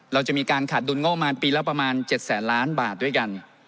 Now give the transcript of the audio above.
เราจะมีการขาดดุลงบประมาณปีละประมาณ๗แสนล้านบาทด้วยกัน